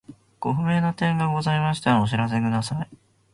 ご不明な点がございましたらお知らせください。